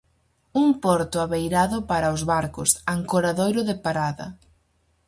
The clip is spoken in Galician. Un porto abeirado para os barcos, ancoradoiro de parada.